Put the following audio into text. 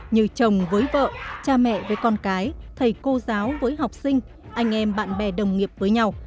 như chồng với vợ cha mẹ với con cái thầy cô giáo với học sinh anh em bạn bè đồng nghiệp với nhau